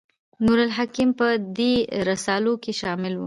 نور الحکم په دې رسالو کې شامل و.